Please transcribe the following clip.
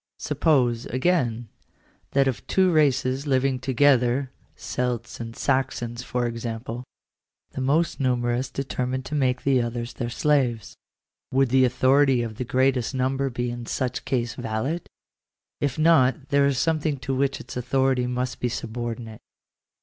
Suppose, again, that of two races living together — Celts and Saxons, for example — the most numerous determined to make the others their slaves. Would the autho rity of the greatest number be in such case valid ? If not there is something to which its authority must be subordinate.